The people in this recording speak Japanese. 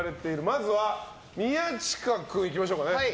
まずは、宮近君いきましょう。